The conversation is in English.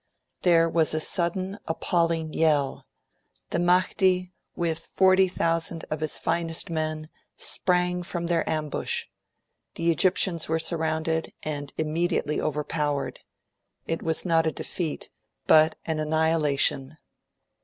There was a sudden, appalling yell; the Mahdi, with 40,000 of his finest men, sprang from their ambush. The Egyptians were surrounded, and immediately overpowered. It was not a defeat, but an annihilation.